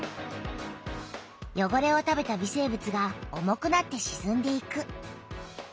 よごれを食べた微生物が重くなってしずんでいく。